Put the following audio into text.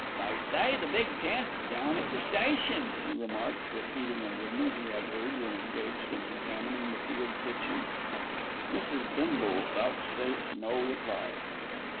"They say the big tent's down at the station," he remarked, repeating a rumour he had heard when engaged in examining the field kitchen. Mrs. Bindle vouchsafed no reply.